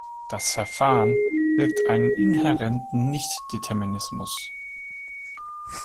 Das Verfahren birgt einen inhärenten Nichtdeterminismus.